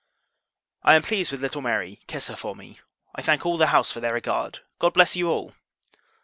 I am pleased with little Mary; kiss her for me. I thank all the house for their regard. God bless you all!